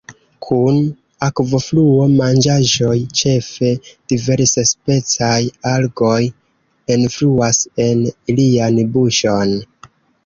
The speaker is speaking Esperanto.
Kun akvofluo manĝaĵoj, ĉefe diversspecaj algoj, enfluas en ilian buŝon.